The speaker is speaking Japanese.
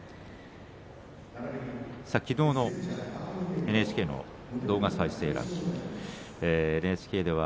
きのうのＮＨＫの動画再生ランキングです。